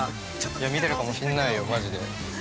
◆いや、見てるかもしんないよマジで。